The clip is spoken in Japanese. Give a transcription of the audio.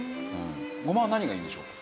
ごまは何がいいんでしょうか？